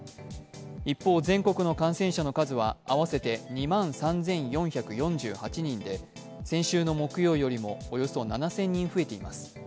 一方、全国の観戦者の数は合わせて２万３４４８人で、先週の木曜よりもおよそ７０００人増えています。